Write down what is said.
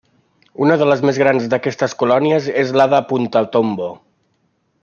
Una de les més grans d'aquestes colònies és la de Punta Tombo.